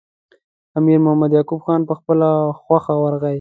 امیر محمد یعقوب خان په خپله خوښه ورغی.